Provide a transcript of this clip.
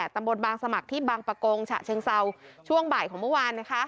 ตำบลบางสมัครที่บางประกงฉะเชิงเซาช่วงบ่ายของเมื่อวาน